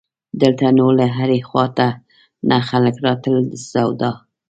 دلته نو له هرې خوا نه خلک راتلل د سودا.